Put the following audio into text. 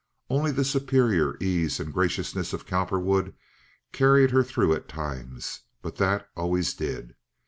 Only the superior ease and graciousness of Cowperwood carried her through at times; but that always did.